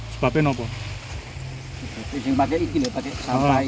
sebab pakai ini pakai sampah ini